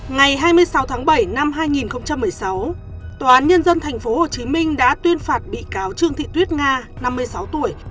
ngày hai mươi sáu tháng bảy năm hai nghìn một mươi sáu tòa án nhân dân tp hcm đã tuyên phạt bị cáo trương thị tuyết nga năm mươi sáu tuổi